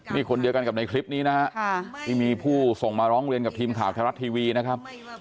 นี่คนเดียวกันกับในคลิปนี้นะฮะที่มีผู้ส่งมาร้องเรียนกับทีมข่าวไทยรัฐทีวีนะครับ